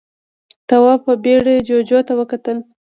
تواب په بيړه جُوجُو ته وکتل.